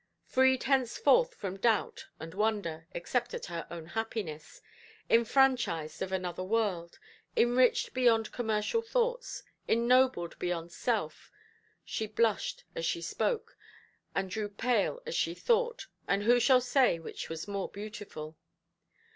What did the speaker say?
Freed henceforth from doubt and wonder (except at her own happiness), enfranchised of another world, enriched beyond commercial thoughts, ennobled beyond self, she blushed as she spoke, and grew pale as she thought, and who shall say which was more beautiful?